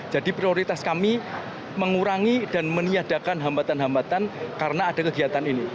jadi prioritas kami mengurangi dan meniadakan hambatan hambatan karena ada kegiatan ini